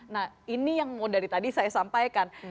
nah ini yang mau dari tadi saya sampaikan